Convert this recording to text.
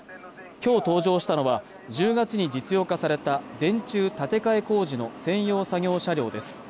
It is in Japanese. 今日登場したのは１０月に実用化された電柱建て替え工事の専用作業車両です